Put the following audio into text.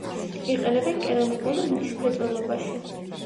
იყენებენ კერამიკულ და მინის მრეწველობაში.